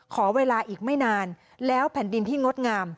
ขอเวลาอีกไม่นานแล้วแผ่นดินที่งดงาม